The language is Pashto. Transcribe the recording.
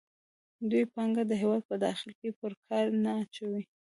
دوی پانګه د هېواد په داخل کې په کار نه اچوي